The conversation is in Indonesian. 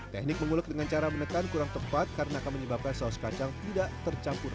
teknik mengulek dengan cara menekan kurang tepat karena akan menyebabkan saus kacang tidak tercampur